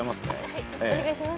はいお願いします。